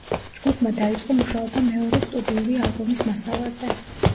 ჯგუფმა დაიწყო მუშაობა მეორე სტუდიური ალბომის მასალაზე.